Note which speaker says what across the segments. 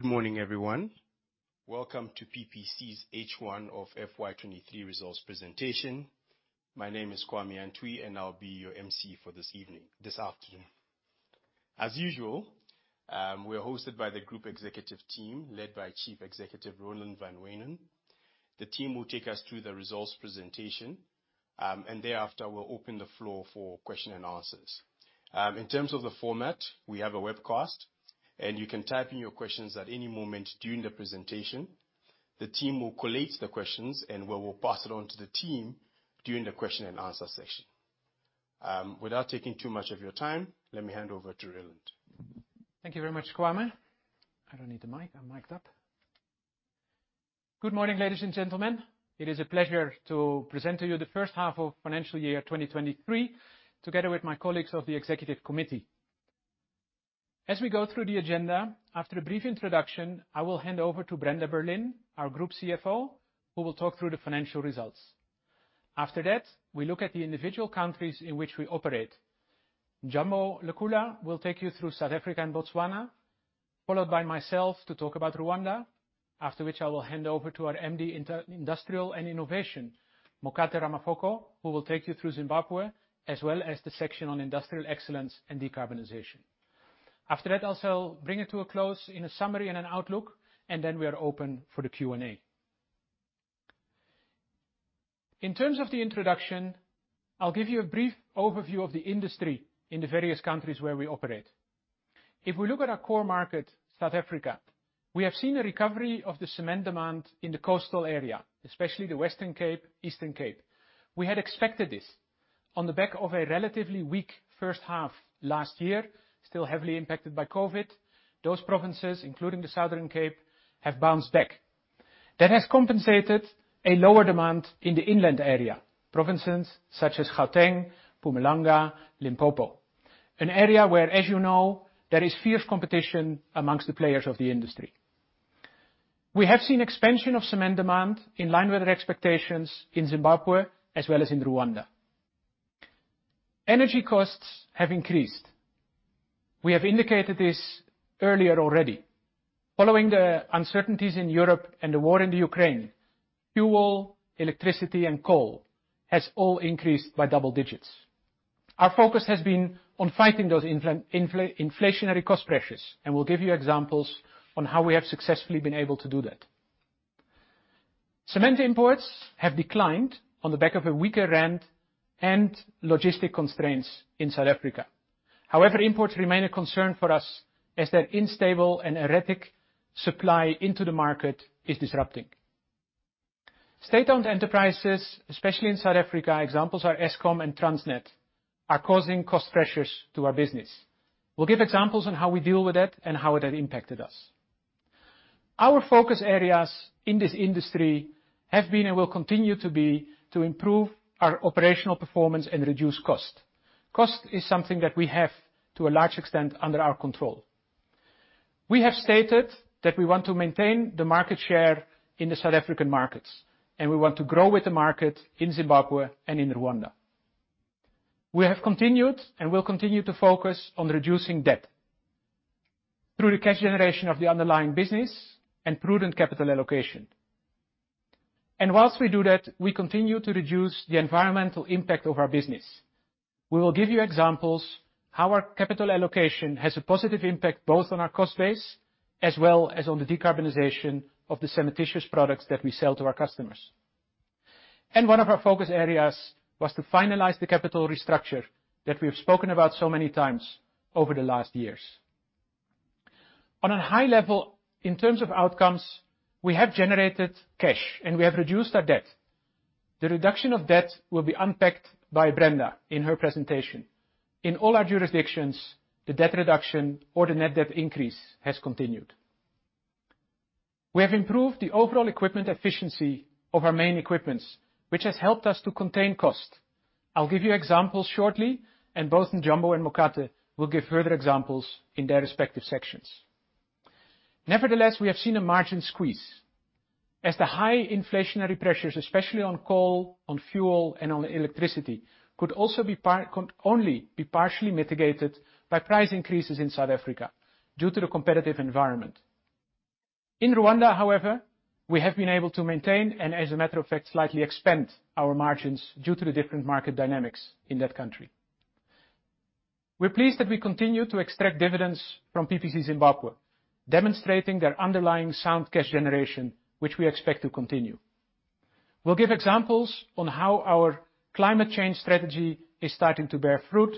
Speaker 1: Good morning, everyone. Welcome to PPC's H1 of FY 2023 Results Presentation. My name is Kwame Antwi, I'll be your emcee for this afternoon. As usual, we're hosted by the group executive team, led by Chief Executive Roland van Wijnen. The team will take us through the results presentation, thereafter, we'll open the floor for question and answers. In terms of the format, we have a webcast, you can type in your questions at any moment during the presentation. The team will collate the questions, we will pass it on to the team during the question and answer session. Without taking too much of your time, let me hand over to Roland.
Speaker 2: Thank you very much, Kwame. I don't need the mic. I'm micd up. Good morning, ladies and gentlemen. It is a pleasure to present to you the First-Half of Financial Year 2023, together with my colleagues of the Executive Committee. After a brief introduction, I will hand over to Brenda Berlin, our Group CFO, who will talk through the financial results. We look at the individual countries in which we operate. Njombo Lekula will take you through South Africa and Botswana, followed by myself to talk about Rwanda. I will hand over to our MD Industrial and Innovation, Mokate Ramafoko, who will take you through Zimbabwe, as well as the section on industrial excellence and decarbonization. After that, I'll still bring it to a close in a summary and an outlook, and then we are open for the Q&A. In terms of the introduction, I'll give you a brief overview of the industry in the various countries where we operate. If we look at our core market, South Africa, we have seen a recovery of the cement demand in the coastal area, especially the Western Cape, Eastern Cape. We had expected this. On the back of a relatively weak first-half last year, still heavily impacted by COVID, those provinces, including the Southern Cape, have bounced back. That has compensated a lower demand in the inland area, provinces such as Gauteng, Mpumalanga, Limpopo. An area where, as you know, there is fierce competition amongst the players of the industry. We have seen expansion of cement demand in line with our expectations in Zimbabwe as well as in Rwanda. Energy costs have increased. We have indicated this earlier already. Following the uncertainties in Europe and the war in the Ukraine, fuel, electricity, and coal has all increased by double digits. Our focus has been on fighting those inflationary cost pressures, and we'll give you examples on how we have successfully been able to do that. Cement imports have declined on the back of a weaker rand and logistic constraints in South Africa. However, imports remain a concern for us as their unstable and erratic supply into the market is disrupting. State-owned enterprises, especially in South Africa, examples are Eskom and Transnet, are causing cost pressures to our business. We'll give examples on how we deal with that and how it has impacted us. Our focus areas in this industry have been and will continue to be to improve our operational performance and reduce cost. Cost is something that we have to a large extent under our control. We have stated that we want to maintain the market share in the South African markets, and we want to grow with the market in Zimbabwe and in Rwanda. We have continued, and will continue to focus on reducing debt through the cash generation of the underlying business and prudent capital allocation. Whilst we do that, we continue to reduce the environmental impact of our business. We will give you examples how our capital allocation has a positive impact, both on our cost base as well as on the decarbonization of the cementitious products that we sell to our customers. One of our focus areas was to finalize the capital restructure that we have spoken about so many times over the last years. On a high level, in terms of outcomes, we have generated cash, and we have reduced our debt. The reduction of debt will be unpacked by Brenda in her presentation. In all our jurisdictions, the debt reduction or the net debt increase has continued. We have improved the overall equipment efficiency of our main equipments, which has helped us to contain cost. I'll give you examples shortly, and both Njombo and Mokate will give further examples in their respective sections. We have seen a margin squeeze as the high inflationary pressures, especially on coal, on fuel, and on electricity, could only be partially mitigated by price increases in South Africa due to the competitive environment. In Rwanda, however, we have been able to maintain, and as a matter of fact, slightly expand our margins due to the different market dynamics in that country. We're pleased that we continue to extract dividends from PPC Zimbabwe, demonstrating their underlying sound cash generation, which we expect to continue. We'll give examples on how our climate change strategy is starting to bear fruit.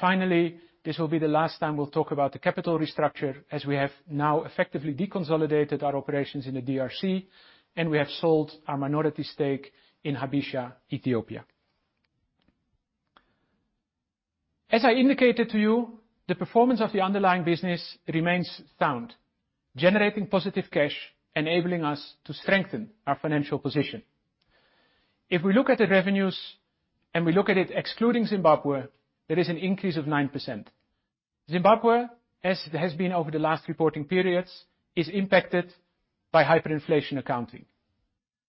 Speaker 2: Finally, this will be the last time we'll talk about the capital restructure as we have now effectively deconsolidated our operations in the DRC, and we have sold our minority stake in Habesha, Ethiopia. As I indicated to you, the performance of the underlying business remains sound, generating positive cash, enabling us to strengthen our financial position. If we look at the revenues, and we look at it excluding Zimbabwe, there is an increase of 9%. Zimbabwe, as it has been over the last reporting periods, is impacted by hyperinflation accounting.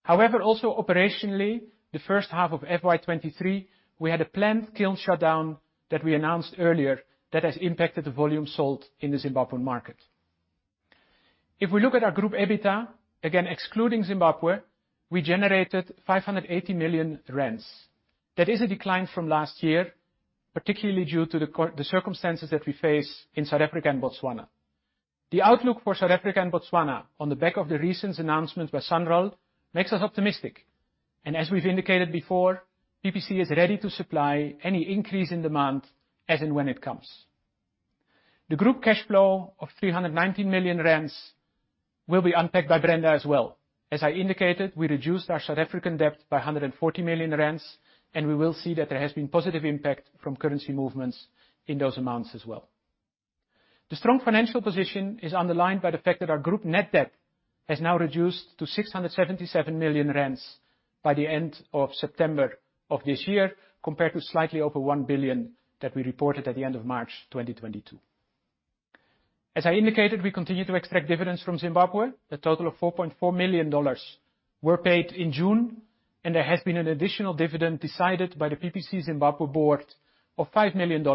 Speaker 2: However, also operationally, the first-half of FY 2023, we had a planned kiln shutdown that we announced earlier that has impacted the volume sold in the Zimbabwean market. If we look at our group EBITDA, again excluding Zimbabwe, we generated 580 million rand. That is a decline from last year, particularly due to the circumstances that we face in South Africa and Botswana. The outlook for South Africa and Botswana on the back of the recent announcement by SANRAL makes us optimistic. As we've indicated before, PPC is ready to supply any increase in demand as and when it comes. The group cash flow of 390 million rand will be unpacked by Brenda as well. As I indicated, we reduced our South African debt by 140 million rand. We will see that there has been positive impact from currency movements in those amounts as well. The strong financial position is underlined by the fact that our group net debt has now reduced to 677 million rand by the end of September of this year, compared to slightly over 1 billion that we reported at the end of March 2022. As I indicated, we continue to extract dividends from Zimbabwe. A total of $4.4 million were paid in June. There has been an additional dividend decided by the PPC Zimbabwe board of $5 million,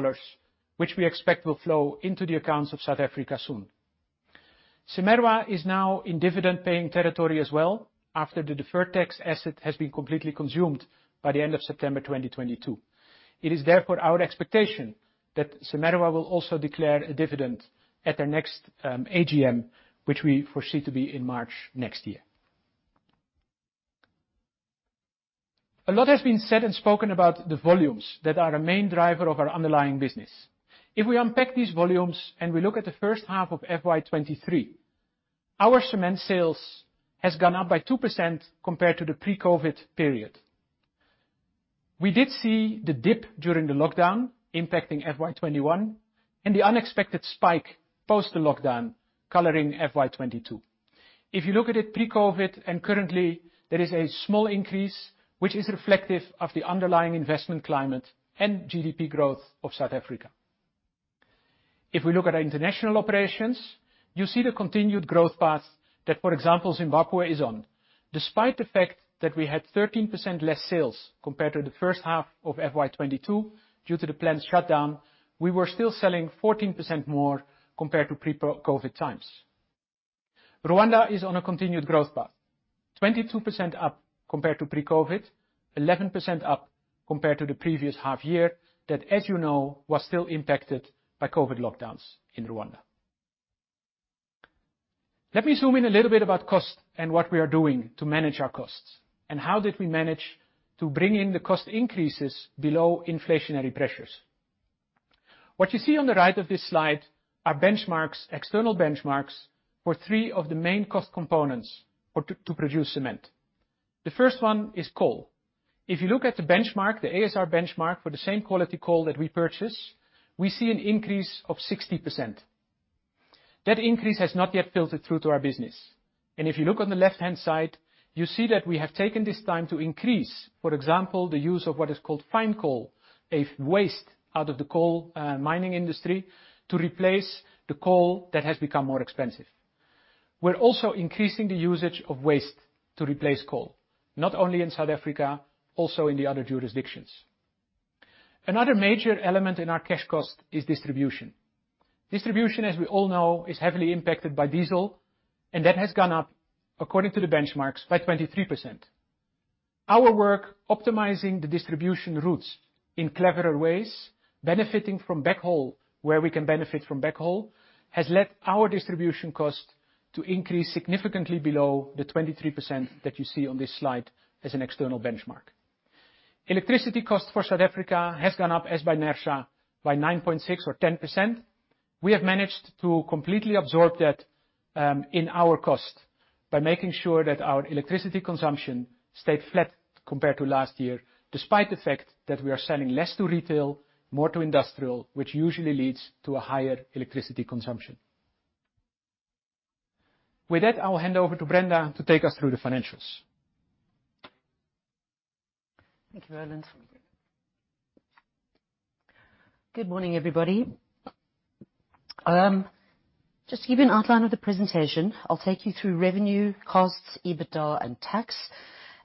Speaker 2: which we expect will flow into the accounts of South Africa soon. CIMERWA is now in dividend-paying territory as well after the deferred tax asset has been completely consumed by the end of September 2022. It is therefore our expectation that CIMERWA will also declare a dividend at their next AGM, which we foresee to be in March next year. A lot has been said and spoken about the volumes that are a main driver of our underlying business. If we unpack these volumes and we look at the first-half of FY 2023, our cement sales has gone up by 2% compared to the pre-COVID period. We did see the dip during the lockdown impacting FY 2021 and the unexpected spike post the lockdown coloring FY 2022. If you look at it pre-COVID and currently, there is a small increase, which is reflective of the underlying investment climate and GDP growth of South Africa. We look at our international operations, you see the continued growth path that, for example, Zimbabwe is on. Despite the fact that we had 13% less sales compared to the first-half of FY 2022 due to the planned shutdown, we were still selling 14% more compared to pre-COVID times. Rwanda is on a continued growth path. 22% up compared to pre-COVID, 11% up compared to the previous half year that, as you know, was still impacted by COVID lockdowns in Rwanda. Let me zoom in a little bit about cost and what we are doing to manage our costs, how did we manage to bring in the cost increases below inflationary pressures. What you see on the right of this slide are benchmarks, external benchmarks for three of the main cost components for to produce cement. The first one is coal. If you look at the benchmark, the ASR benchmark for the same quality coal that we purchase, we see an increase of 60%. That increase has not yet filtered through to our business. If you look on the left-hand side, you see that we have taken this time to increase, for example, the use of what is called fine coal, a waste out of the coal mining industry, to replace the coal that has become more expensive. We're also increasing the usage of waste to replace coal, not only in South Africa, also in the other jurisdictions. Another major element in our cash cost is distribution. Distribution, as we all know, is heavily impacted by diesel, that has gone up, according to the benchmarks, by 23%. Our work optimizing the distribution routes in cleverer ways, benefiting from backhaul where we can benefit from backhaul, has led our distribution cost to increase significantly below the 23% that you see on this slide as an external benchmark. Electricity costs for South Africa has gone up, as by NERSA, by 9.6% or 10%. We have managed to completely absorb that in our cost by making sure that our electricity consumption stayed flat compared to last year, despite the fact that we are selling less to retail, more to industrial, which usually leads to a higher electricity consumption. With that, I will hand over to Brenda to take us through the financials.
Speaker 3: Thank you, Roland. Good morning, everybody. Just to give you an outline of the presentation, I'll take you through revenue, costs, EBITDA, and tax.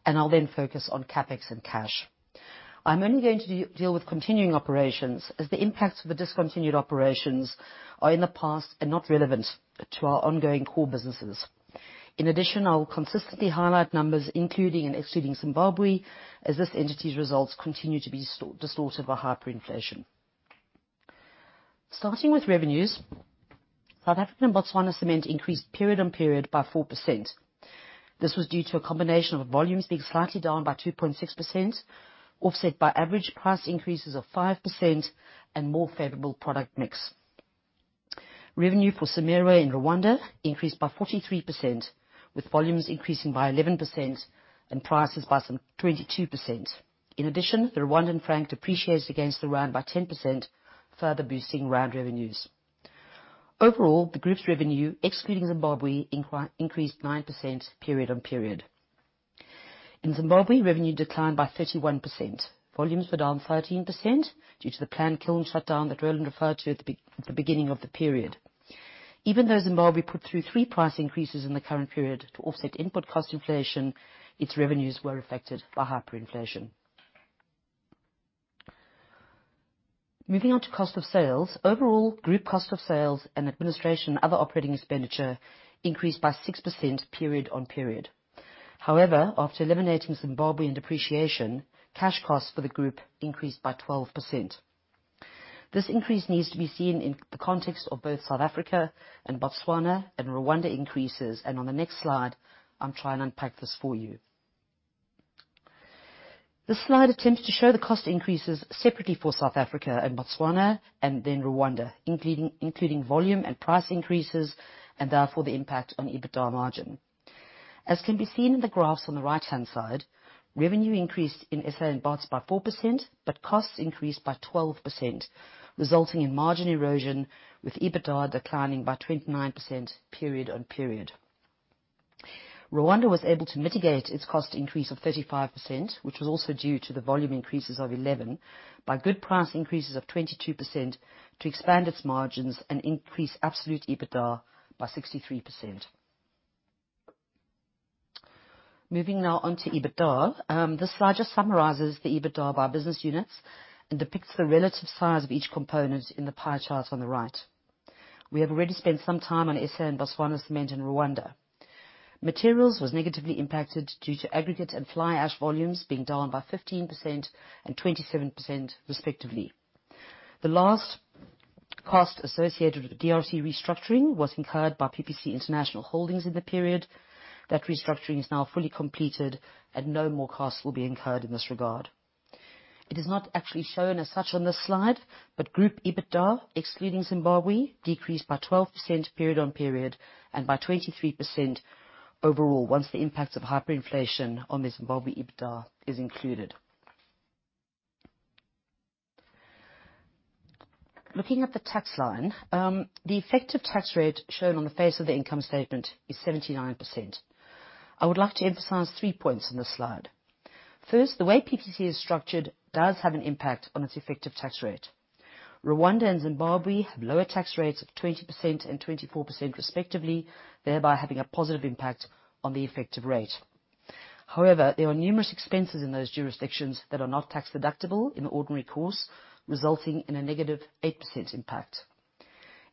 Speaker 3: I'll then focus on CapEx and cash. I'm only going to deal with continuing operations, as the impacts of the discontinued operations are in the past and not relevant to our ongoing core businesses. In addition, I will consistently highlight numbers including and excluding Zimbabwe, as this entity's results continue to be distorted by hyperinflation. Starting with revenues, South Africa and Botswana cement increased period-on-period by 4%. This was due to a combination of volumes being slightly down by 2.6%, offset by average price increases of 5% and more favorable product mix. Revenue for CIMERWA in Rwanda increased by 43%, with volumes increasing by 11% and prices by some 22%. In addition, the Rwandan franc depreciated against the rand by 10%, further boosting rand revenues. Overall, the group's revenue, excluding Zimbabwe, increased 9% period-on-period. In Zimbabwe, revenue declined by 31%. Volumes were down 13% due to the planned kiln shutdown that Roland referred to at the beginning of the period. Even though Zimbabwe put through three price increases in the current period to offset input cost inflation, its revenues were affected by hyperinflation. Moving on to cost of sales. Overall, group cost of sales and administration, other operating expenditure increased by 6% period-on-period. However, after eliminating Zimbabwe and depreciation, cash costs for the group increased by 12%. This increase needs to be seen in the context of both South Africa and Botswana and Rwanda increases. On the next slide, I'm trying to unpack this for you. This slide attempts to show the cost increases separately for South Africa and Botswana and then Rwanda, including volume and price increases, and therefore, the impact on EBITDA margin. As can be seen in the graphs on the right-hand side, revenue increased in SA and Botswana by 4%, but costs increased by 12%, resulting in margin erosion, with EBITDA declining by 29% period-on-period. Rwanda was able to mitigate its cost increase of 35%, which was also due to the volume increases of 11 by good price increases of 22% to expand its margins and increase absolute EBITDA by 63%. Moving now on to EBITDA. This slide just summarizes the EBITDA by business units and depicts the relative size of each component in the pie charts on the right. We have already spent some time on SA and Botswana Cement in Rwanda. Materials was negatively impacted due to aggregate and fly ash volumes being down by 15% and 27%, respectively. The last cost associated with the DRC restructuring was incurred by PPC International Holdings in the period. That restructuring is now fully completed and no more costs will be incurred in this regard. It is not actually shown as such on this slide, but group EBITDA, excluding Zimbabwe, decreased by 12% period-on-period and by 23% overall, once the impact of hyperinflation on the Zimbabwe EBITDA is included. Looking at the tax line, the effective tax rate shown on the face of the income statement is 79%. I would like to emphasize three points on this slide. First, the way PPC is structured does have an impact on its effective tax rate. Rwanda and Zimbabwe have lower tax rates of 20% and 24% respectively, thereby having a positive impact on the effective rate. However, there are numerous expenses in those jurisdictions that are not tax-deductible in the ordinary course, resulting in a negative 8% impact.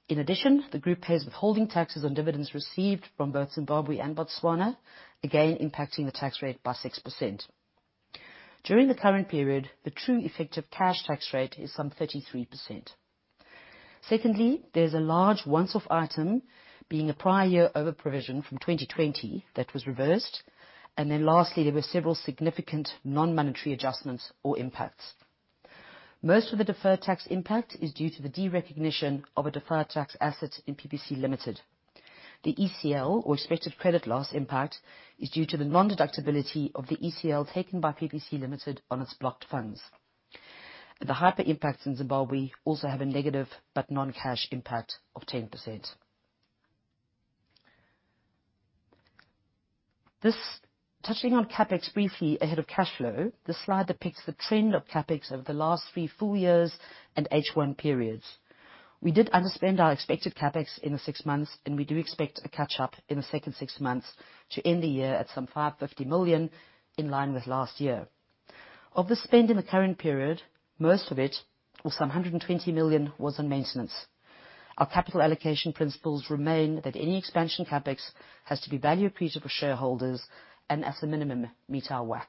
Speaker 3: In addition, the group pays withholding taxes on dividends received from both Zimbabwe and Botswana, again impacting the tax rate by 6%. During the current period, the true effective cash tax rate is some 33%. Secondly, there's a large once-off item being a prior year over-provision from 2020 that was reversed. Lastly, there were several significant non-monetary adjustments or impacts. Most of the deferred tax impact is due to the derecognition of a deferred tax asset in PPC Ltd. The ECL or expected credit loss impact is due to the non-deductibility of the ECL taken by PPC Ltd on its blocked funds. The hyper impacts in Zimbabwe also have a negative but non-cash impact of 10%. Touching on CapEx briefly ahead of cash flow. This slide depicts the trend of CapEx over the last three full years and H1 periods. We did underspend our expected CapEx in the six months, and we do expect a catch-up in the second six months to end the year at some 550 million, in line with last year. Of the spend in the current period, most of it or some 120 million, was on maintenance. Our capital allocation principles remain that any expansion CapEx has to be value accretive for shareholders and, at the minimum, meet our WACC.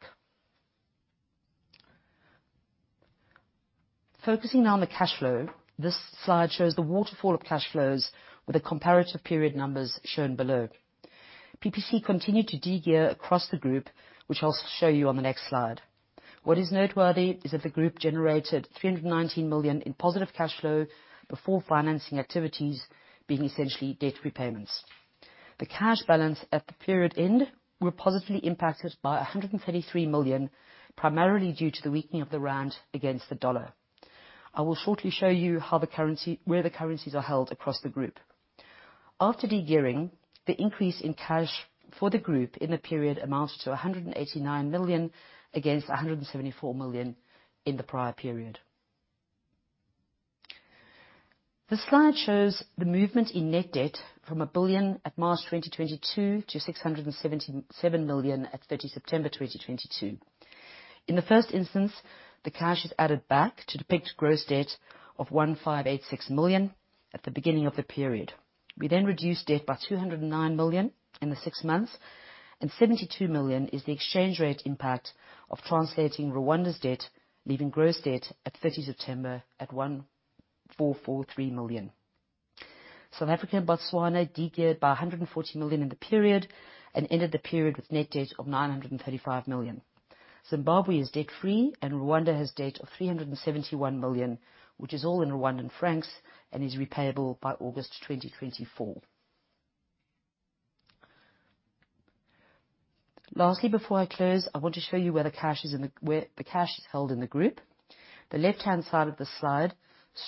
Speaker 3: Focusing now on the cash flow. This slide shows the waterfall of cash flows with the comparative period numbers shown below. PPC continued to de-gear across the group, which I'll show you on the next slide. What is noteworthy is that the group generated 319 million in positive cash flow before financing activities being essentially debt repayments. The cash balance at the period end were positively impacted by 133 million, primarily due to the weakening of the rand against the dollar. I will shortly show you where the currencies are held across the group. After de-gearing, the increase in cash for the group in the period amounts to 189 million against 174 million in the prior period. The slide shows the movement in net debt from 1 billion at March 2022 to 677 million at September 30, 2022. In the first instance, the cash is added back to depict gross debt of 1.586 billion at the beginning of the period. We reduced debt by 209 million in the six months, and 72 million is the exchange rate impact of translating Rwanda's debt, leaving gross debt at September 30 at 1.443 billion. South Africa and Botswana de-geared by 140 million in the period and ended the period with net debt of 935 million. Zimbabwe is debt-free and Rwanda has debt of RWF 371 million, which is all in Rwandan francs and is repayable by August 2024. Lastly, before I close, I want to show you where the cash is held in the group. The left-hand side of the slide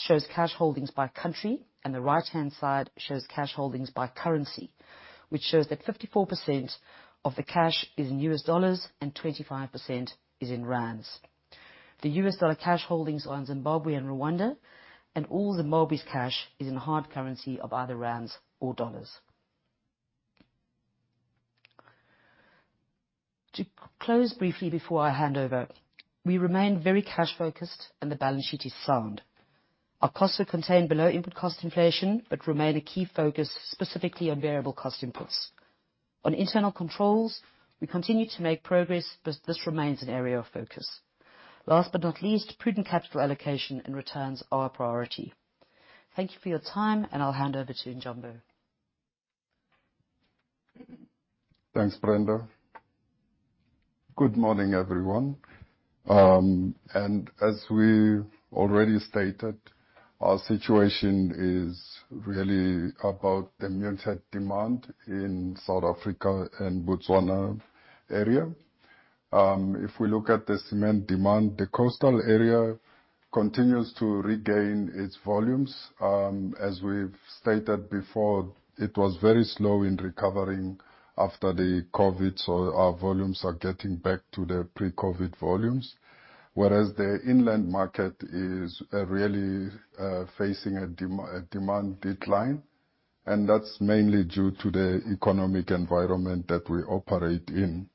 Speaker 3: shows cash holdings by country, and the right-hand side shows cash holdings by currency, which shows that 54% of the cash is in US dollars and 25% is in rands. The US dollar cash holdings are in Zimbabwe and Rwanda, and all Zimbabwe's cash is in hard currency of either rands or dollars. To close briefly before I hand over, we remain very cash focused and the balance sheet is sound. Our costs are contained below input cost inflation, but remain a key focus, specifically on variable cost inputs. On internal controls, we continue to make progress, but this remains an area of focus. Last but not least, prudent capital allocation and returns are a priority. Thank you for your time, and I'll hand over to Njombo.
Speaker 4: Thanks, Brenda. Good morning, everyone. As we've already stated, our situation is really about the muted demand in South Africa and Botswana area. If we look at the cement demand, the coastal area continues to regain its volumes. As we've stated before, it was very slow in recovering after the COVID, so our volumes are getting back to their pre-COVID volumes, whereas the inland market is really facing a demand decline, and that's mainly due to the economic environment that we operate in.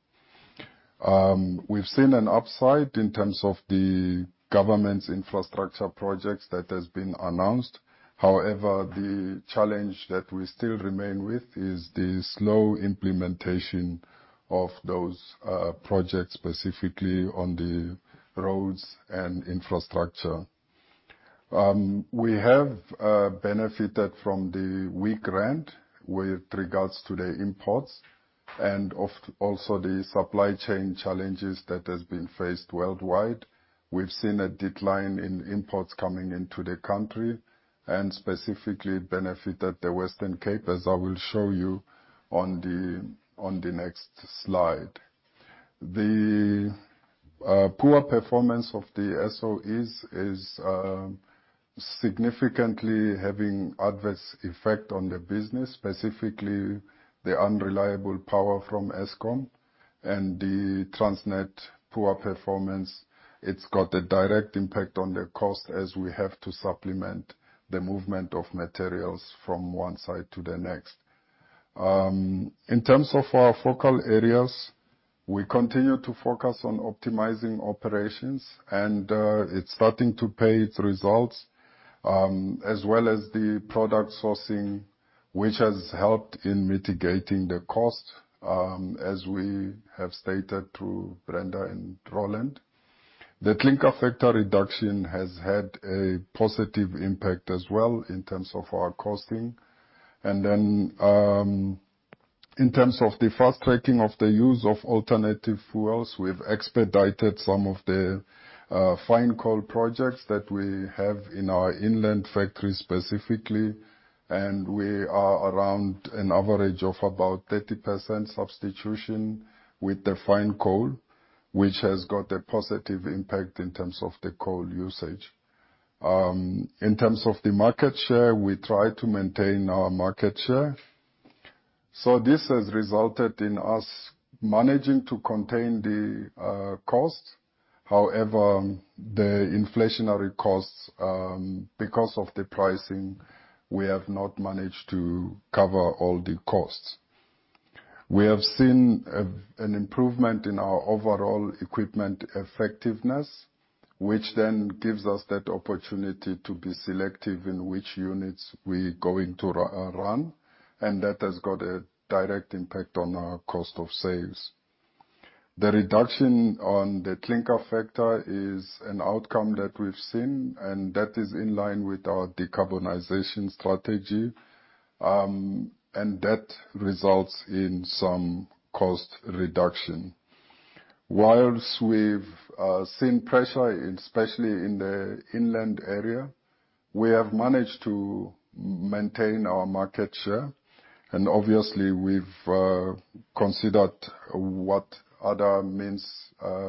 Speaker 4: We've seen an upside in terms of the government's infrastructure projects that has been announced. However, the challenge that we still remain with is the slow implementation of those projects, specifically on the roads and infrastructure. We have benefited from the weak rand with regards to the imports and also the supply chain challenges that has been faced worldwide. We've seen a decline in imports coming into the country and specifically benefited the Western Cape, as I will show you on the next slide. The poor performance of the SOEs is significantly having adverse effect on the business, specifically the unreliable power from Eskom and the Transnet poor performance. It's got a direct impact on the cost as we have to supplement the movement of materials from one site to the next. In terms of our focal areas, we continue to focus on optimizing operations, and it's starting to pay its results, as well as the product sourcing, which has helped in mitigating the cost, as we have stated through Brenda and Roland. The clinker factor reduction has had a positive impact as well in terms of our costing. In terms of the fast-tracking of the use of alternative fuels, we've expedited some of the fine coal projects that we have in our inland factories specifically, and we are around an average of about 30% substitution with the fine coal, which has got a positive impact in terms of the coal usage. In terms of the market share, we try to maintain our market share. This has resulted in us managing to contain the costs. However, the inflationary costs, because of the pricing, we have not managed to cover all the costs. We have seen an improvement in our overall equipment effectiveness, which then gives us that opportunity to be selective in which units we're going to run, and that has got a direct impact on our cost of sales. The reduction on the clinker factor is an outcome that we've seen, and that is in line with our decarbonization strategy, and that results in some cost reduction. Whilst we've seen pressure especially in the inland area, we have managed to maintain our market share, and obviously, we've considered what other means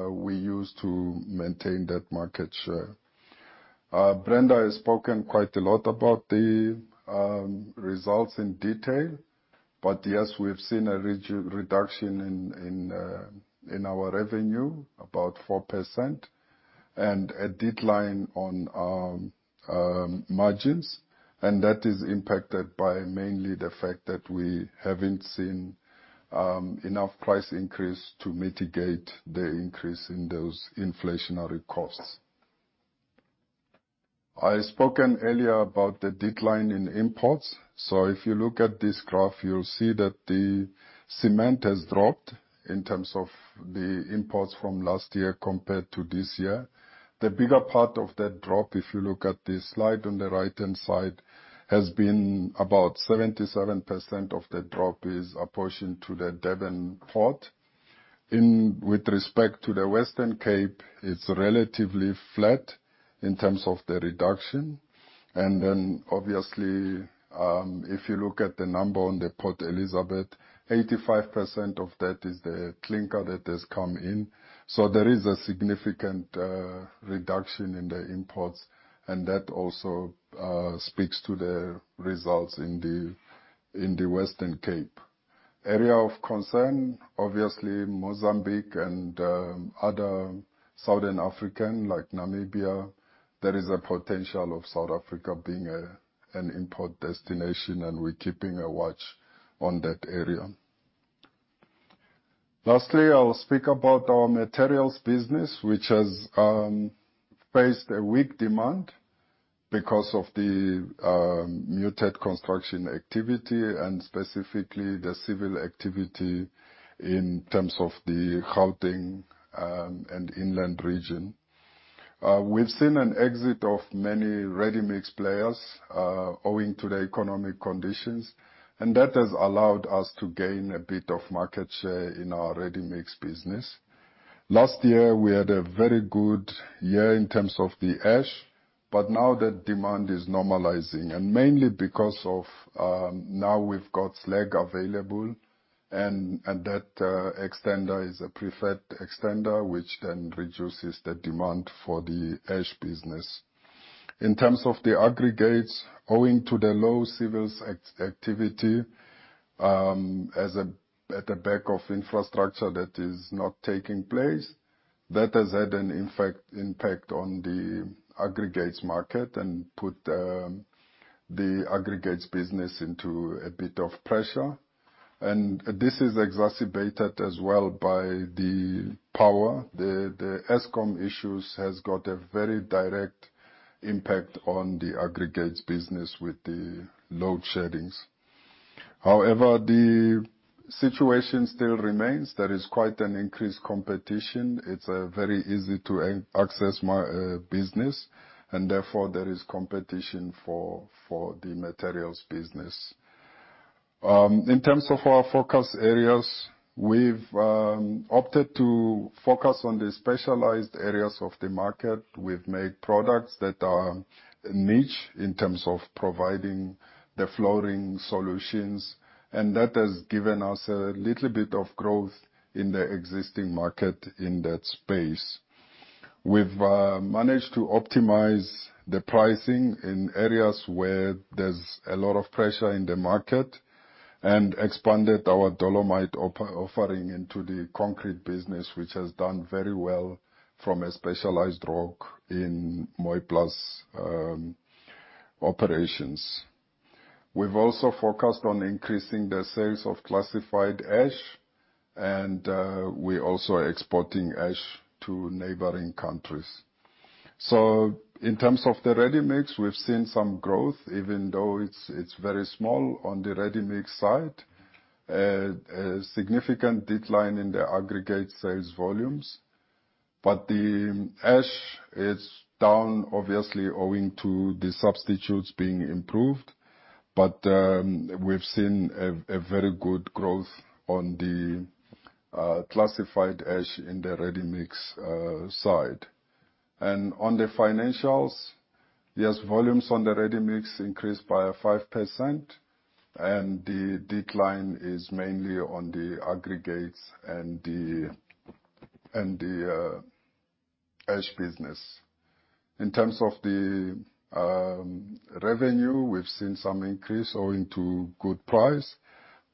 Speaker 4: we use to maintain that market share. Brenda has spoken quite a lot about the results in detail. Yes, we've seen a reduction in our revenue, about 4%, and a decline on our margins. That is impacted by mainly the fact that we haven't seen enough price increase to mitigate the increase in those inflationary costs. I spoken earlier about the decline in imports. If you look at this graph, you'll see that the cement has dropped in terms of the imports from last year compared to this year. The bigger part of that drop, if you look at the slide on the right-hand side, has been about 77% of the drop is apportioned to the Durban port. With respect to the Western Cape, it's relatively flat in terms of the reduction. Obviously, if you look at the number on the Port Elizabeth, 85% of that is the clinker that has come in. There is a significant reduction in the imports, and that also speaks to the results in the Western Cape. Area of concern, obviously Mozambique and other Southern African like Namibia, there is a potential of South Africa being an import destination, and we're keeping a watch on that area. I'll speak about our materials business, which has faced a weak demand because of the muted construction activity, and specifically the civil activity in terms of the Gauteng and inland region. We've seen an exit of many ready-mix players, owing to the economic conditions, and that has allowed us to gain a bit of market share in our ready-mix business. Last year, we had a very good year in terms of the ash, but now that demand is normalizing. Mainly because of, now we've got slag available, and that extender is a preferred extender, which then reduces the demand for the ash business. In terms of the aggregates owing to the low civils activity, at the back of infrastructure that is not taking place, that has had an impact on the aggregates market and put the aggregates business into a bit of pressure. This is exacerbated as well by the power. The Eskom issues has got a very direct impact on the aggregates business with the load sheddings. However, the situation still remains. It's very easy to access business and therefore there is competition for the materials business. In terms of our focus areas, we've opted to focus on the specialized areas of the market. We've made products that are niche in terms of providing the flooring solutions, and that has given us a little bit of growth in the existing market in that space. We've managed to optimize the pricing in areas where there's a lot of pressure in the market, and expanded our dolomite offering into the concrete business, which has done very well from a specialized rock in Mooiplaas operations. We've also focused on increasing the sales of classified ash, and we're also exporting ash to neighboring countries. In terms of the ready-mix, we've seen some growth even though it's very small on the ready-mix side. A significant decline in the aggregate sales volumes. The ash is down, obviously, owing to the substitutes being improved. We've seen a very good growth on the classified ash in the ready-mix side. On the financials, yes, volumes on the ready-mix increased by 5% and the decline is mainly on the aggregates and the ash business. In terms of the revenue, we've seen some increase owing to good price,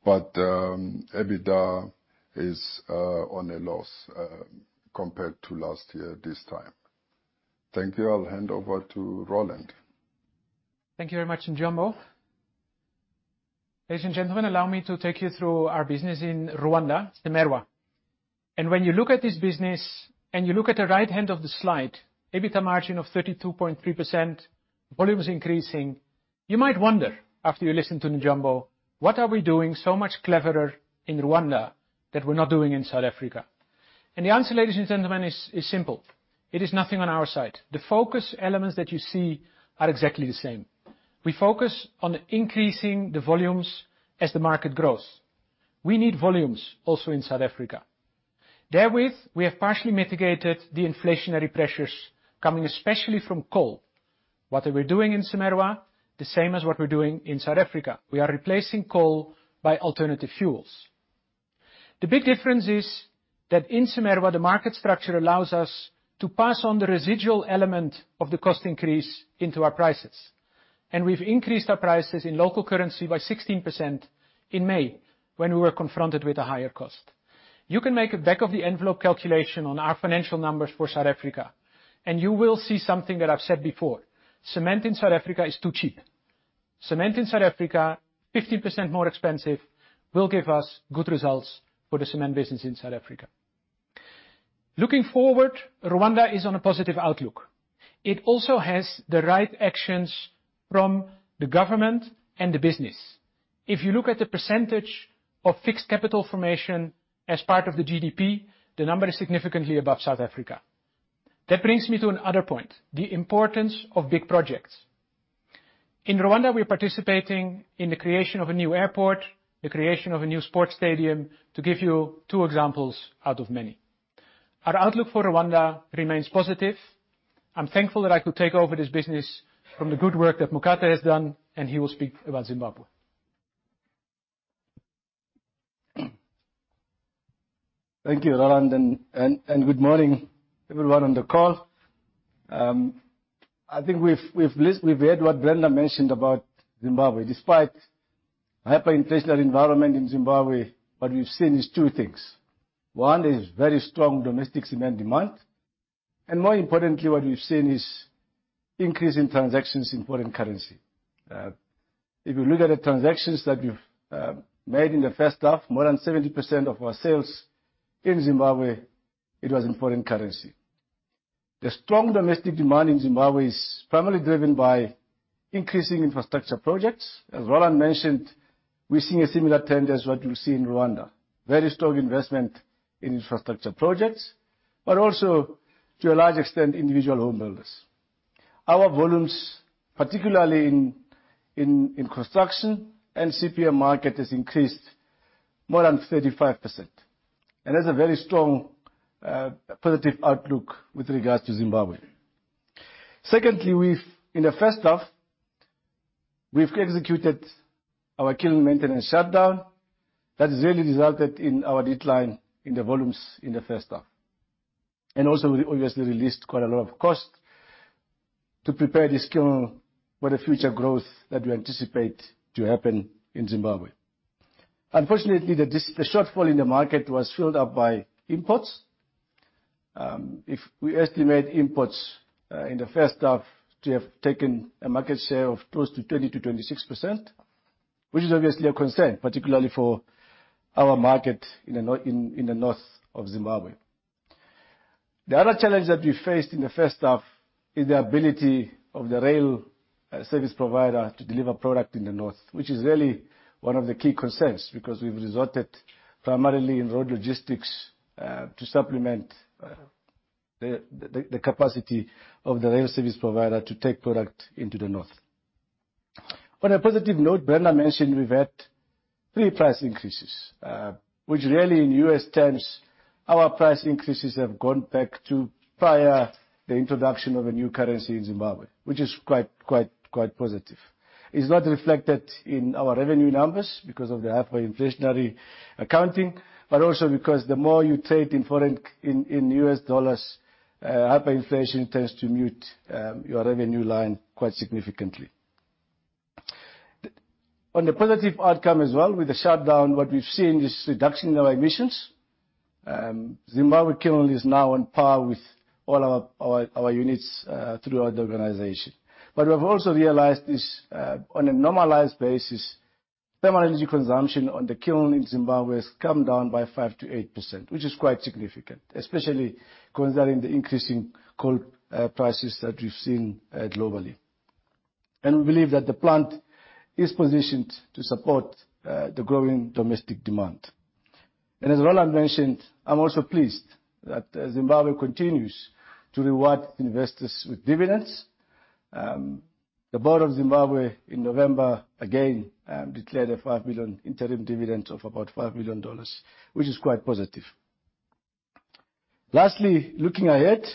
Speaker 4: but EBITDA is on a loss compared to last year this time. Thank you. I'll hand over to Roland.
Speaker 2: Thank you very much, Njombo. Ladies and gentlemen, allow me to take you through our business in Rwanda, CIMERWA. When you look at this business and you look at the right hand of the slide, EBITDA margin of 32.3%, volume is increasing, you might wonder, after you listen to Njombo, what are we doing so much cleverer in Rwanda that we're not doing in South Africa? The answer, ladies and gentlemen, is simple. It is nothing on our side. The focus elements that you see are exactly the same. We focus on increasing the volumes as the market grows. We need volumes also in South Africa. Therewith, we have partially mitigated the inflationary pressures coming especially from coal. What are we doing in CIMERWA? The same as what we're doing in South Africa. We are replacing coal by alternative fuels. The big difference is that in CIMERWA Plc, the market structure allows us to pass on the residual element of the cost increase into our prices. We've increased our prices in local currency by 16% in May, when we were confronted with a higher cost. You can make a back of the envelope calculation on our financial numbers for South Africa. You will see something that I've said before. Cement in South Africa is too cheap. Cement in South Africa, 50% more expensive, will give us good results for the cement business in South Africa. Looking forward, Rwanda is on a positive outlook. It also has the right actions from the government and the business. If you look at the percentage of fixed capital formation as part of the GDP, the number is significantly above South Africa. That brings me to another point, the importance of big projects. In Rwanda, we're participating in the creation of a new airport, the creation of a new sports stadium, to give you two examples out of many. Our outlook for Rwanda remains positive. I'm thankful that I could take over this business from the good work that Mokate has done. He will speak about Zimbabwe.
Speaker 5: Thank you, Roland, and good morning everyone on the call. I think we've heard what Brenda mentioned about Zimbabwe. Despite hyperinflationary environment in Zimbabwe, what we've seen is two things. One is very strong domestic cement demand. More importantly, what we've seen is increase in transactions in foreign currency. If you look at the transactions that we've made in the first-half, more than 70% of our sales in Zimbabwe, it was in foreign currency. The strong domestic demand in Zimbabwe is primarily driven by increasing infrastructure projects. As Roland mentioned, we're seeing a similar trend as what you see in Rwanda, very strong investment in infrastructure projects, but also to a large extent, individual home builders. Our volumes, particularly in construction and CPI market has increased more than 35%. That's a very strong positive outlook with regards to Zimbabwe. Secondly, in the first-half, we've executed our kiln maintenance shutdown. That's really resulted in our decline in the volumes in the first-half, and also we obviously released quite a lot of cost to prepare this kiln for the future growth that we anticipate to happen in Zimbabwe. Unfortunately, the shortfall in the market was filled up by imports. If we estimate imports in the first-half to have taken a market share of close to 20%-26%, which is obviously a concern, particularly for our market in the north of Zimbabwe. The other challenge that we faced in the first-half is the ability of the rail service provider to deliver product in the north, which is really one of the key concerns, because we've resorted primarily in road logistics to supplement the capacity of the rail service provider to take product into the north. On a positive note, Bernard mentioned we've had three price increases, which really in U.S, terms, our price increases have gone back to prior the introduction of a new currency in Zimbabwe, which is quite, quite positive. It's not reflected in our revenue numbers because of the hyperinflationary accounting, but also because the more you trade in U.S. dollards, hyperinflation tends to mute your revenue line quite significantly. On the positive outcome as well, with the shutdown, what we've seen is reduction in our emissions. Zimbabwe kiln is now on par with all our units throughout the organization. We've also realized this, on a normalized basis, thermal energy consumption on the kiln in Zimbabwe has come down by 5%-8%, which is quite significant, especially considering the increasing coal prices that we've seen globally. We believe that the plant is positioned to support the growing domestic demand. As Roland mentioned, I'm also pleased that Zimbabwe continues to reward investors with dividends. The board of Zimbabwe in November again declared a $5 million interim dividend of about $5 million, which is quite positive. Lastly, looking ahead,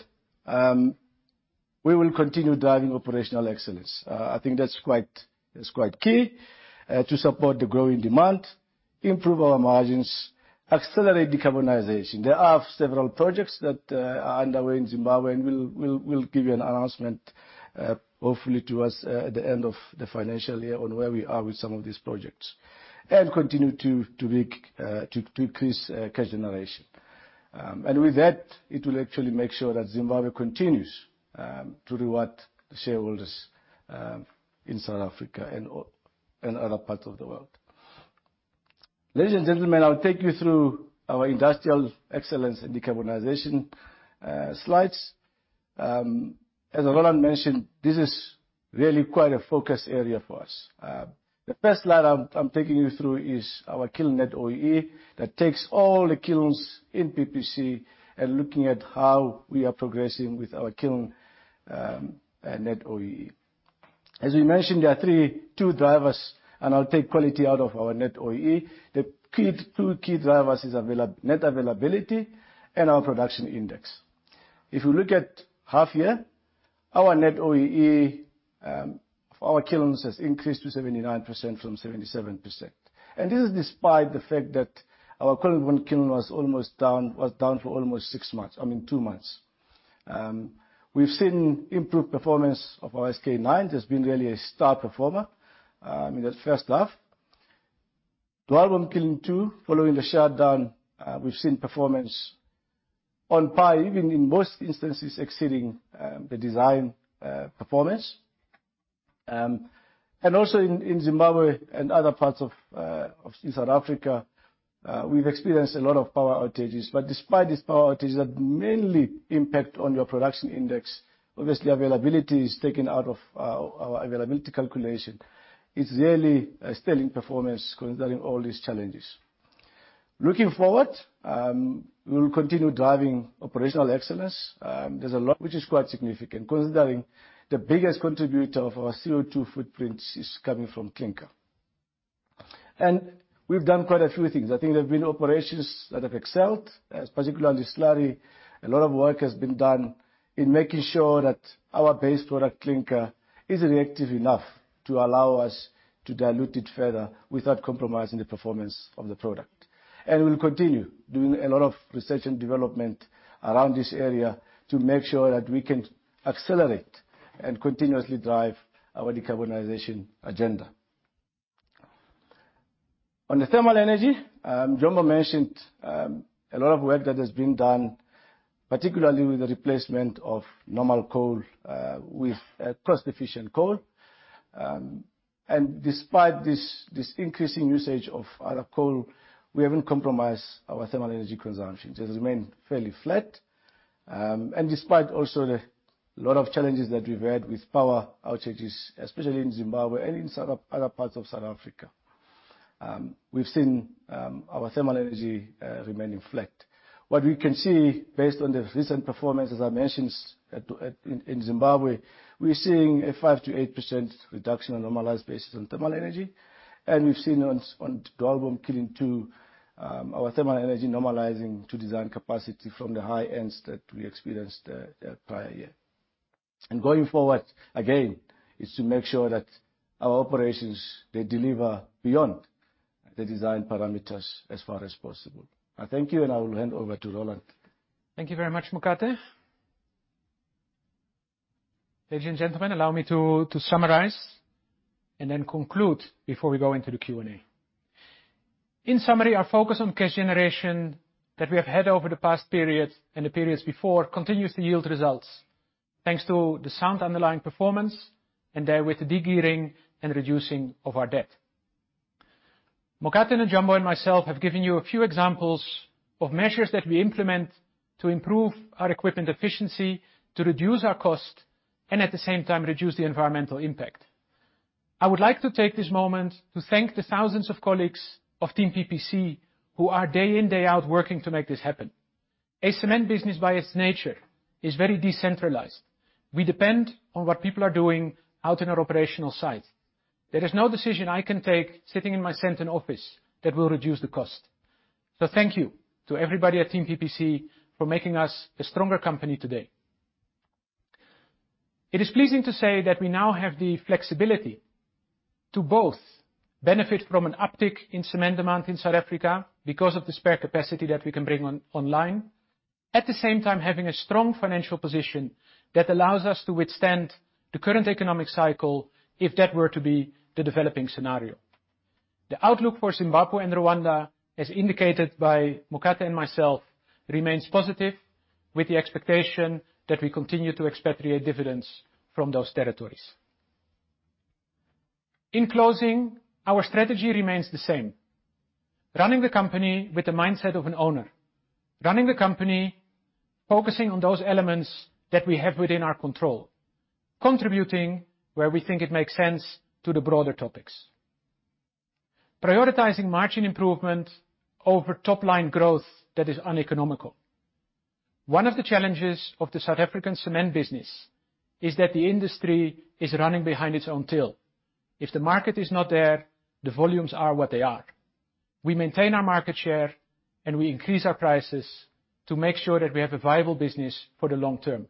Speaker 5: we will continue driving operational excellence. I think that's quite key to support the growing demand, improve our margins, accelerate decarbonization. There are several projects that are underway in Zimbabwe, and we'll give you an announcement hopefully towards the end of the financial year on where we are with some of these projects, and continue to be to increase cash generation. With that, it will actually make sure that Zimbabwe continues to reward shareholders in South Africa and other parts of the world. Ladies and gentlemen, I'll take you through our industrial excellence and decarbonization slides. As Roland mentioned, this is really quite a focus area for us. The first slide I'm taking you through is our kiln net OEE, that takes all the kilns in PPC and looking at how we are progressing with our kiln net OEE. As we mentioned, there are two drivers, and I'll take quality out of our net OEE. The two key drivers is net availability and our production index. If you look at half-year, our net OEE for our kilns has increased to 79% from 77%. This is despite the fact that our Kolobong Kiln was down for almost six months, I mean, two months. We've seen improved performance of our SK9. That's been really a star performer in the first-half. Dwaalboom Kiln 2, following the shutdown, we've seen performance on par, even in most instances, exceeding the design performance. Also in Zimbabwe and other parts of South Africa, we've experienced a lot of power outages. Despite these power outages that mainly impact on your production index, obviously availability is taken out of our availability calculation. It's really a sterling performance considering all these challenges. Looking forward, we'll continue driving operational excellence. There's a lot which is quite significant, considering the biggest contributor of our CO2 footprint is coming from clinker. We've done quite a few things. I think there have been operations that have excelled, as particularly Slurry. A lot of work has been done in making sure that our base product clinker is reactive enough to allow us to dilute it further without compromising the performance of the product. We'll continue doing a lot of research and development around this area to make sure that we can accelerate and continuously drive our decarbonization agenda. On the thermal energy, Njombo mentioned a lot of work that has been done, particularly with the replacement of normal coal with cost efficient coal. Despite this increasing usage of other coal, we haven't compromised our thermal energy consumption. It has remained fairly flat. Despite also the lot of challenges that we've had with power outages, especially in Zimbabwe and in some other parts of South Africa, we've seen our thermal energy remaining flat. What we can see based on the recent performance, as I mentioned, in Zimbabwe, we're seeing a 5%-8% reduction on a normalized basis on thermal energy. We've seen on Dwaalboom Kiln 2, our thermal energy normalizing to design capacity from the high ends that we experienced the prior year. Going forward, again, is to make sure that our operations, they deliver beyond the design parameters as far as possible. I thank you, and I will hand over to Roland.
Speaker 2: Thank you very much, Mokate. Ladies and gentlemen, allow me to summarize and then conclude before we go into the Q&A. In summary, our focus on cash generation that we have had over the past period and the periods before continues to yield results, thanks to the sound underlying performance and therewith the de-gearing and reducing of our debt. Mokate and Njombo and myself have given you a few examples of measures that we implement to improve our equipment efficiency, to reduce our cost, and at the same time, reduce the environmental impact. I would like to take this moment to thank the thousands of colleagues of team PPC who are day in, day out, working to make this happen. A cement business by its nature is very decentralized. We depend on what people are doing out in our operational site. There is no decision I can take sitting in my Sandton office that will reduce the cost. Thank you to everybody at Team PPC for making us a stronger company today. It is pleasing to say that we now have the flexibility to both benefit from an uptick in cement demand in South Africa because of the spare capacity that we can bring online. At the same time, having a strong financial position that allows us to withstand the current economic cycle if that were to be the developing scenario. The outlook for Zimbabwe and Rwanda, as indicated by Mokate and myself, remains positive, with the expectation that we continue to expatriate dividends from those territories. In closing, our strategy remains the same. Running the company with the mindset of an owner. Running the company, focusing on those elements that we have within our control. Contributing where we think it makes sense to the broader topics. Prioritizing margin improvement over top-line growth that is uneconomical. One of the challenges of the South African cement business is that the industry is running behind its own tail. If the market is not there, the volumes are what they are. We maintain our market share, and we increase our prices to make sure that we have a viable business for the long term.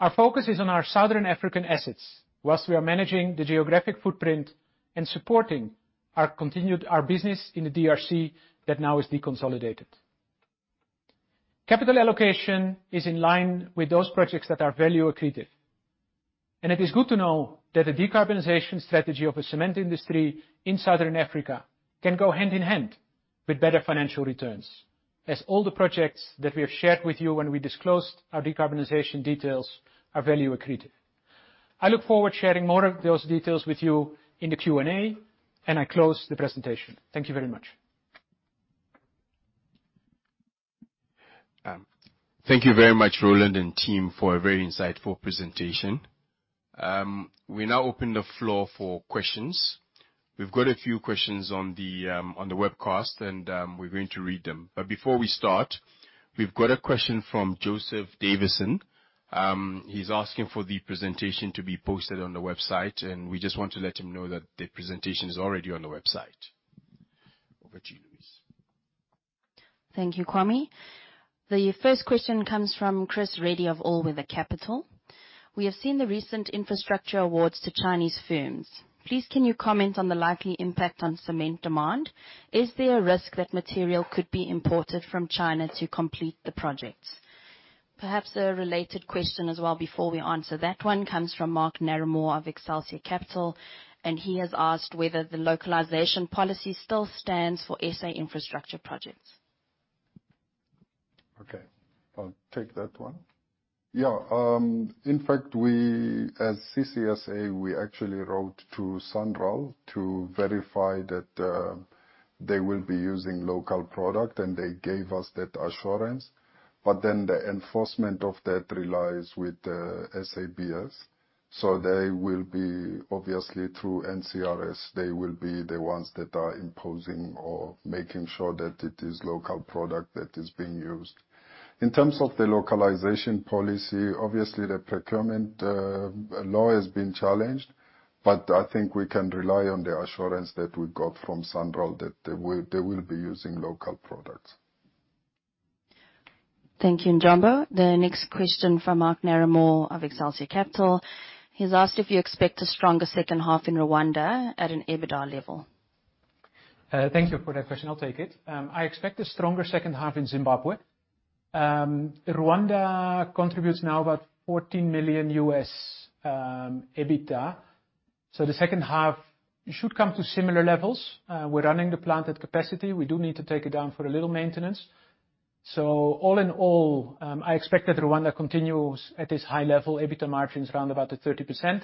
Speaker 2: Our focus is on our Southern African assets, while we are managing the geographic footprint and supporting our business in the DRC that now is deconsolidated. Capital allocation is in line with those projects that are value accretive. It is good to know that the decarbonization strategy of the cement industry in Southern Africa can go hand in hand with better financial returns, as all the projects that we have shared with you when we disclosed our decarbonization details are value accretive. I look forward sharing more of those details with you in the Q&A, and I close the presentation. Thank you very much.
Speaker 6: Thank you very much, Roland and team, for a very insightful presentation. We now open the floor for questions. We've got a few questions on the webcast, and we're going to read them. Before we start, we've got a question from Joseph Davison. He's asking for the presentation to be posted on the website, and we just want to let him know that the presentation is already on the website. Over to you, Louise.
Speaker 7: Thank you, Kwame. The first question comes from Chris Radebe of All Weather Capital. We have seen the recent infrastructure awards to Chinese firms. Please, can you comment on the likely impact on cement demand? Is there a risk that material could be imported from China to complete the projects? Perhaps a related question as well before we answer that one, comes from Mark Narramore of Excelsia Capital, and he has asked whether the localization policy still stands for SA infrastructure projects.
Speaker 4: Okay, I'll take that one. In fact, as CCSA, we actually wrote to SANRAL to verify that they will be using local product. They gave us that assurance. The enforcement of that relies with SABS. They will be, obviously, through NRCS, they will be the ones that are imposing or making sure that it is local product that is being used. In terms of the localization policy, obviously, the procurement law has been challenged. I think we can rely on the assurance that we got from SANRAL that they will be using local products.
Speaker 7: Thank you, Njombo. The next question from Mark Narramore of Excelsia Capital. He's asked if you expect a stronger second-half in Rwanda at an EBITDA level.
Speaker 2: Thank you for that question. I'll take it. I expect a stronger second-half in Zimbabwe. Rwanda contributes now about $14 million EBITDA. The second-half it should come to similar levels. We're running the plant at capacity. We do need to take it down for a little maintenance. All in all, I expect that Rwanda continues at this high level EBITDA margins around about the 30%,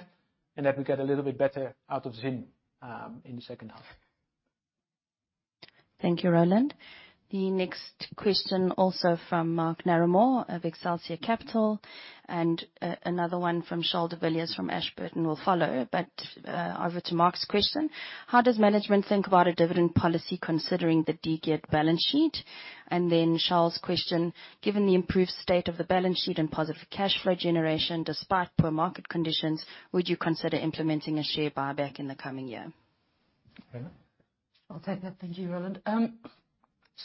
Speaker 2: and that we get a little bit better out of Zimbabwe in the second-half.
Speaker 7: Thank you, Roland. The next question, also from Mark Narramore of Excelsia Capital, another one from Charles de Villiers from Ashburton will follow. Over to Mark's question: How does management think about a dividend policy considering the de-geared balance sheet? Charles' question: Given the improved state of the balance sheet and positive cash flow generation despite poor market conditions, would you consider implementing a share buyback in the coming year?
Speaker 2: Brenda?
Speaker 3: I'll take that. Thank you, Roland.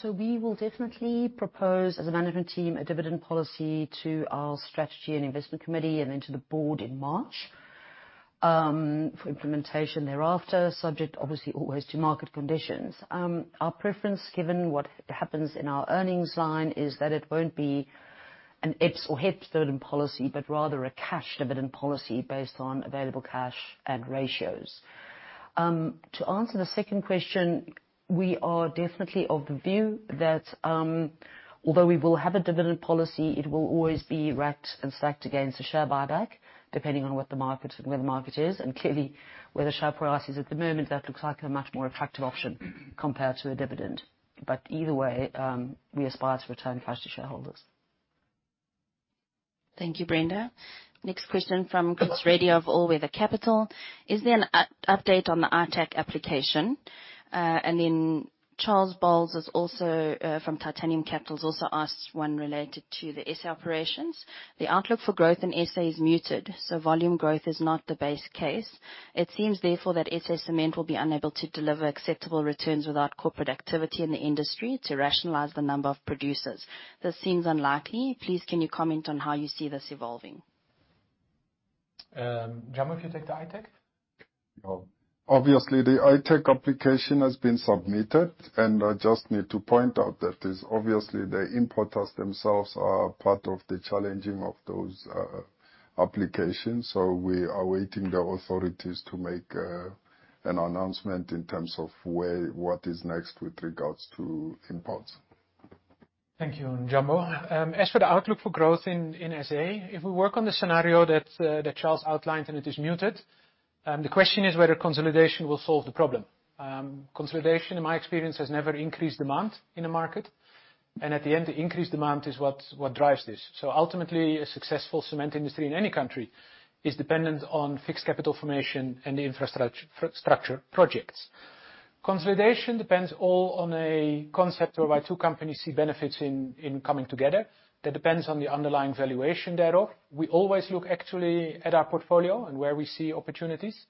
Speaker 3: We will definitely propose, as a management team, a dividend policy to our strategy and investment committee, and then to the board in March. For implementation thereafter, subject obviously always to market conditions. Our preference, given what happens in our earnings line, is that it won't be an EPS or HEPS dividend policy, but rather a cash dividend policy based on available cash and ratios. To answer the second question, we are definitely of the view that, although we will have a dividend policy, it will always be racked and stacked against a share buyback, depending on where the market is, and clearly where the share price is. At the moment that looks like a much more attractive option compared to a dividend. Either way, we aspire to return cash to shareholders.
Speaker 7: Thank you, Brenda. Next question from Chris Radebe of All Weather Capital: Is there an update on the ITAC application? Charles Bowles is also from Titanium Capital, has also asked one related to the SA operations. The outlook for growth in SA is muted, volume growth is not the base case. It seems, therefore, that SA Cement will be unable to deliver acceptable returns without corporate activity in the industry to rationalize the number of producers. This seems unlikely. Please, can you comment on how you see this evolving?
Speaker 2: Njambo, if you take the ITAC.
Speaker 4: Sure. Obviously, the ITAC application has been submitted. I just need to point out that is obviously the importers themselves are part of the challenging of those applications. We are awaiting the authorities to make an announcement in terms of what is next with regards to imports.
Speaker 2: Thank you, Njombo. As for the outlook for growth in SA, if we work on the scenario that Charles outlined, and it is muted, the question is whether consolidation will solve the problem. Consolidation, in my experience, has never increased demand in a market, and at the end, the increased demand is what drives this. Ultimately, a successful cement industry in any country is dependent on fixed capital formation and the infrastructure projects. Consolidation depends all on a concept whereby two companies see benefits in coming together. That depends on the underlying valuation thereof. We always look actually at our portfolio and where we see opportunities.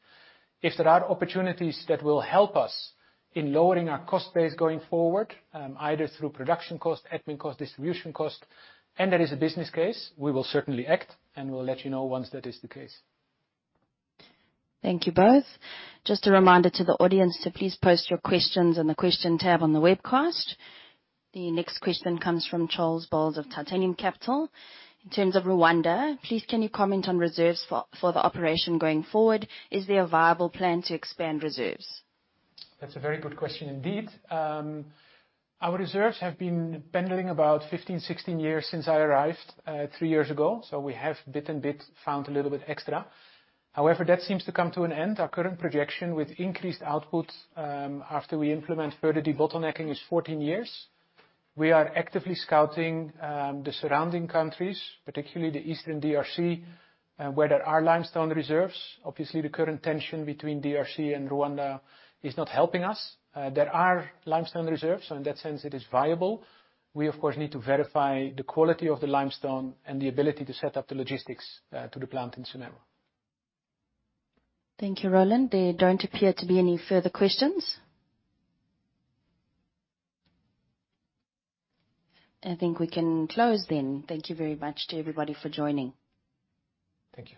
Speaker 2: If there are opportunities that will help us in lowering our cost base going forward, either through production cost, admin cost, distribution cost, and there is a business case, we will certainly act, and we'll let you know once that is the case.
Speaker 7: Thank you both. Just a reminder to the audience to please post your questions in the question tab on the webcast. The next question comes from Charles Bowles of Titanium Capital. In terms of Rwanda, please, can you comment on reserves for the operation going forward? Is there a viable plan to expand reserves?
Speaker 2: That's a very good question indeed. Our reserves have been pending about 15, 16 years since I arrived, three years ago, so we have bit and bit found a little bit extra. However, that seems to come to an end. Our current projection with increased output, after we implement further debottlenecking, is 14 years. We are actively scouting the surrounding countries, particularly the eastern DRC, where there are limestone reserves. Obviously, the current tension between DRC and Rwanda is not helping us. There are limestone reserves, so in that sense it is viable. We, of course, need to verify the quality of the limestone and the ability to set up the logistics to the plant in Slurry.
Speaker 7: Thank you, Roland. There don't appear to be any further questions. I think we can close then. Thank you very much to everybody for joining.
Speaker 2: Thank you.